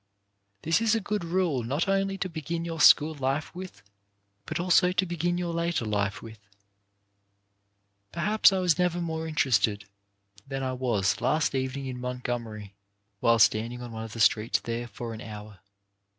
This is a good rule not only to begin your school life with, but also to begin your later life with. Perhaps I was never more interested than I was last evening in Montgomery, while standing on one of the streets there for an hour.